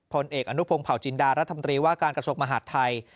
ผลเอกอนุพงศ์เผาจินดารัฐมนตรีว่าการกระทรวงมหาดไทย